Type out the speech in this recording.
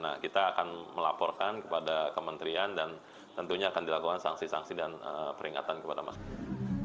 nah kita akan melaporkan kepada kementerian dan tentunya akan dilakukan sanksi sanksi dan peringatan kepada masyarakat